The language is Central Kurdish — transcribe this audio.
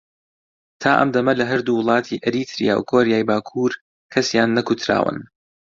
تا ئەم دەمە لە هەردوو وڵاتی ئەریتریا و کۆریای باکوور کەسیان نەکوتراون